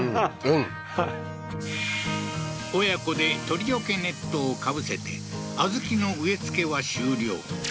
「うん」親子で鳥除けネットを被せて小豆の植えつけは終了